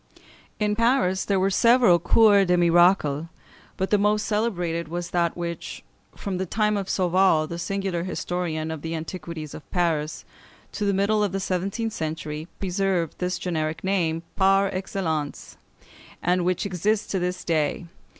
] In Paris there were several Cours des Miracles, but the most celebrated was that which, from the time of Sauval, the singular historian of the "Antiquities of Paris," to the middle of the seventeenth century, preserved this generic name par excellence, and which exists to this day (Fig.